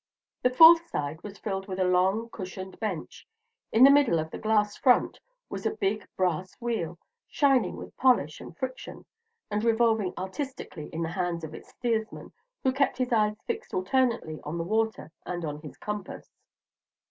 The fourth side was filled with a long cushioned bench. In the middle of the glassed front was the big brass wheel, shining with polish and friction, and revolving artistically in the hands of its steersman, who kept his eye fixed alternately on the water and on his compass.